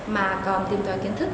mà còn tìm đòi kiến thức